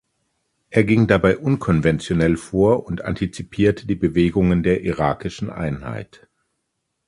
Er ging dabei unkonventionell vor und antizipierte die Bewegungen der irakischen Einheit.